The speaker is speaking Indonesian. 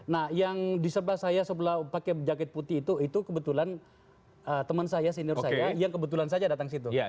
nah yang di sebelah saya sebelah pakai jaket putih itu itu kebetulan teman saya senior saya yang kebetulan saja datang ke situ